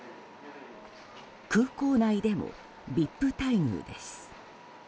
空港内でもＶＩＰ待遇です。